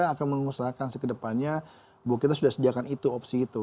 kita akan mengusahakan sekedepannya bahwa kita sudah sediakan itu opsi itu